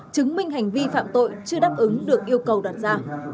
chứng minh hành vi phạm tội chưa đáp ứng được yêu cầu đặt ra